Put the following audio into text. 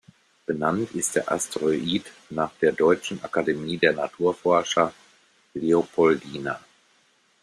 Benannt ist der Asteroid nach der Deutschen Akademie der Naturforscher Leopoldina.